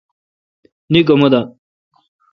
نیکھ اُما دا۔